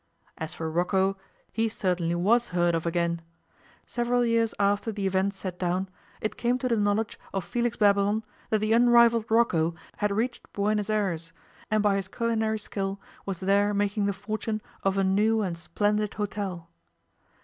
As for Rocco, he certainly was heard of again. Several years after the events set down, it came to the knowledge of Felix Babylon that the unrivalled Rocco had reached Buenos Aires, and by his culinary skill was there making the fortune of a new and splendid hotel.